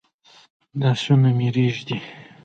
لاسونه مي رېږدي ؟